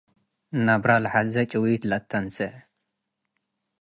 ነብረ ለሐዜ ጥዊት ለአትንሴ።